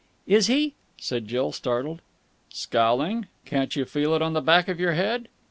"Is he?" said Jill startled. "Scowling? Can't you feel it on the back of your head?"